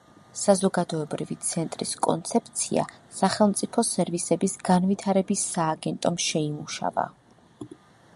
საზოგადოებრივი ცენტრის კონცეფცია სახელმწიფო სერვისების განვითარების სააგენტომ შეიმუშავა.